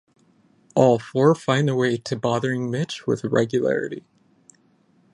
All four find their way to bothering Mitch with regularity.